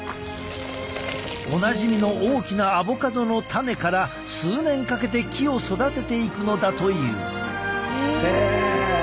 おなじみの大きなアボカドの種から数年かけて木を育てていくのだという。